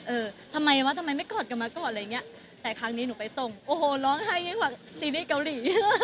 เออทำไมวะทำไมไม่กอดกันมากอดอะไรอย่างเงี้ยแต่ครั้งนี้หนูไปส่งโอ้โหร้องไห้ยิ่งกว่าซีรีส์เกาหลี